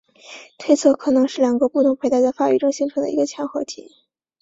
推测可能是两个不同胚胎在发育中形成一个嵌合体。